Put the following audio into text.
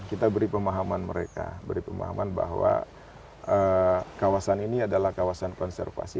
kita beri pemahaman mereka beri pemahaman bahwa kawasan ini adalah kawasan konservasi